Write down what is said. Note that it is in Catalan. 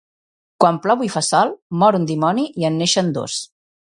Quan plou i fa sol, mor un dimoni i en neixen dos.